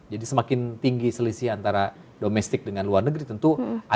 jadi semakin tinggi selisih antara domestik dengan luar negeri tentu